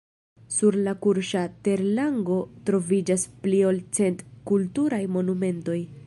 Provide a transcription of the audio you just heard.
Sur la kurŝa terlango troviĝas pli ol cent kulturaj monumentoj.